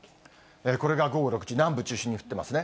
これが午後６時、南部中心に降ってますね。